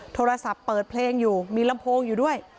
โทรศัพท์เปิดเพลงอยู่มีลำโพงอยู่ด้วย